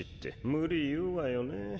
無理言うわよね。